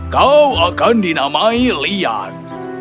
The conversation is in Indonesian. kau akan dinamai lian